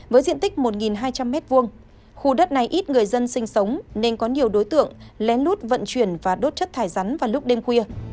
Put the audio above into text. với diện tích một hai trăm linh m hai khu đất này ít người dân sinh sống nên có nhiều đối tượng lén lút vận chuyển và đốt chất thải rắn vào lúc đêm khuya